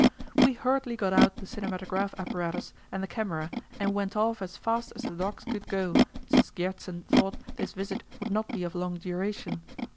We hurriedly got out the cinematograph apparatus and the camera, and went off as fast as the dogs could go, since Gjertsen thought this visit would not be of long duration.